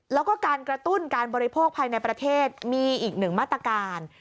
แล้วก็การกระตุ้นการบริโภคภายในประเทศมีอีกหนึ่งมาตรการ